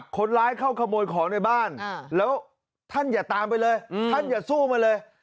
คนร้ายเข้าขโมยของในบ้านแล้วท่านอย่าตามไปเลยท่านอย่าสู้มาเลย